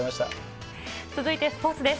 続いてスポーツです。